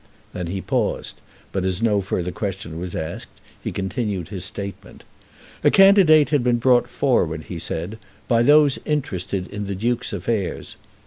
Then he paused, but as no further question was asked, he continued his statement. "A candidate had been brought forward," he said, "by those interested in the Duke's affairs.